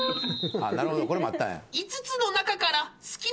なるほどこれ待ったんや。